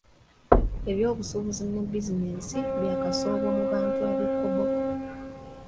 Ebyobusuubuzi ne bizinensi bya kasoobo mu bantu b'e Koboko.